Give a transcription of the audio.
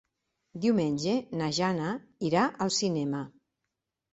Diumenge na Jana irà al cinema.